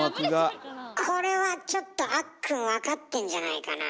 これはちょっとあっくん分かってんじゃないかなあ。